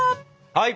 はい！